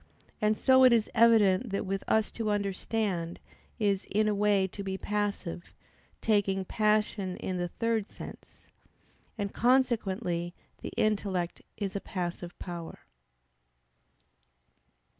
And so it is evident that with us to understand is "in a way to be passive"; taking passion in the third sense. And consequently the intellect is a passive power.